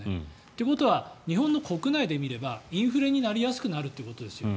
ということは日本の国内で見ればインフレになりやすくなるということです。